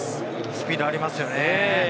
スピードがありますよね。